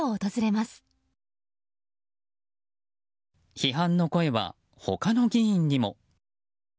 批判の声は、他の議員にも。